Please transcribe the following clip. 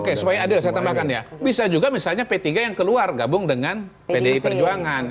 oke supaya adil saya tambahkan ya bisa juga misalnya p tiga yang keluar gabung dengan pdi perjuangan